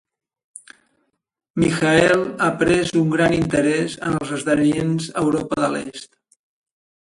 Michael ha pres un gran interès en els esdeveniments a Europa de l'Est.